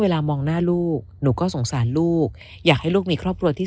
มองหน้าลูกหนูก็สงสารลูกอยากให้ลูกมีครอบครัวที่